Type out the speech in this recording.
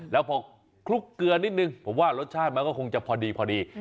แล้วพอคลุกเกลือนิดนึงผมว่ารสชาติมันก็คงจะพอดีพอดี